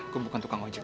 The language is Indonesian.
gue bukan tukang ojek